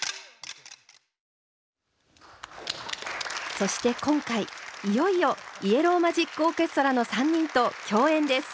そして今回いよいよイエロー・マジック・オーケストラの３人と共演です。